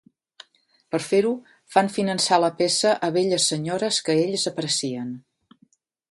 Per fer-ho, fan finançar la peça a velles senyores que ells aprecien.